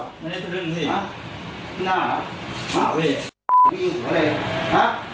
นี่นี่หน้าหรออ้าวเว้ยอ้าวเว้ยอ้าวเว้ยอ้าวเว้ย